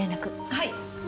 はい！